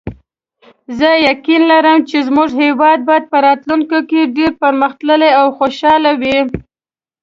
زه یقین لرم چې زموږ هیواد به راتلونکي کې ډېر پرمختللی او خوشحاله وي